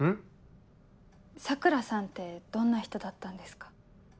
桜さんってどんな人だったんですか？